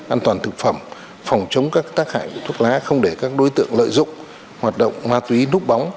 an toàn thực phẩm phòng chống các tác hại thuốc lá không để các đối tượng lợi dụng hoạt động ma túy núp bóng